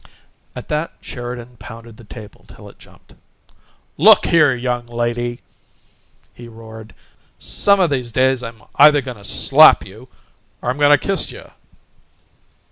At that Sheridan pounded the table till it jumped. "Look here, young lady!" he roared. "Some o' these days I'm either goin' to slap you or I'm goin' to kiss you!"